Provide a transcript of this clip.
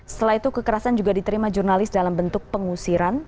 setelah itu kekerasan juga diterima jurnalis dalam bentuk pengusiran